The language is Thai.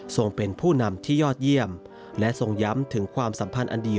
ส่งเป็นผู้นำที่ยอดเยี่ยมและทรงย้ำถึงความสัมพันธ์อันดี